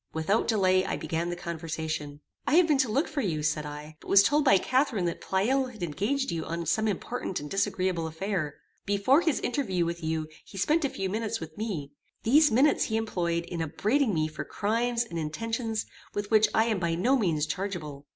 Without delay I began the conversation. "I have been to look for you," said I, "but was told by Catharine that Pleyel had engaged you on some important and disagreeable affair. Before his interview with you he spent a few minutes with me. These minutes he employed in upbraiding me for crimes and intentions with which I am by no means chargeable.